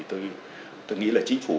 tôi nghĩ là chính phủ